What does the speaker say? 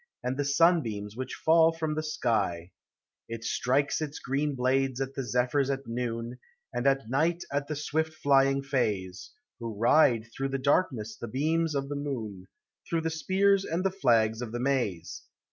And the sunbeams, which fall from the sky ; It strikes its green blades at the zephyrs at noon, And at night at the swift flying fays, Who ride through the darkness the beams of the moon, Through the spears and the flags of the maize!